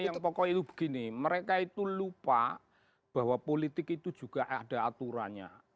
yang pokoknya itu begini mereka itu lupa bahwa politik itu juga ada aturannya